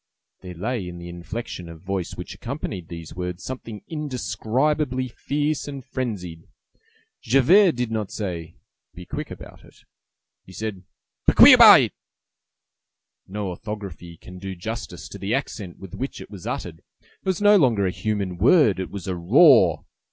There lay in the inflection of voice which accompanied these words something indescribably fierce and frenzied. Javert did not say, "Be quick about it!" he said "Bequiabouit." No orthography can do justice to the accent with which it was uttered: it was no longer a human word: it was a roar.